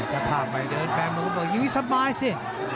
จะพาไปเดินแปลงมันก็บอกอย่างนี้สบายสิ